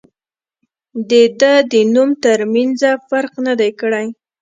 او د دۀ د نوم تر مېنځه فرق نۀ دی کړی